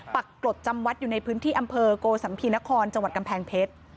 ปรากฏจำวัดอยู่ในพื้นที่อำเภอโกสัมภีนครจังหวัดกำแพงเพชร